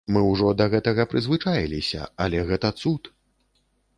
Мы ўжо да гэтага прызвычаіліся, але гэта цуд!